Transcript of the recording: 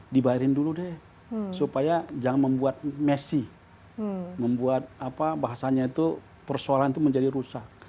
dibayarin dulu deh supaya jangan membuat messi membuat bahasanya itu persoalan itu menjadi rusak